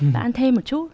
bác ăn thêm một chút